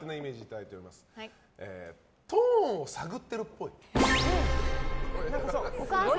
トーンを探ってるっぽい。